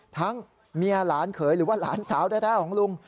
เมียหลานเขยหรือว่าหลานสาวแท้ของลุง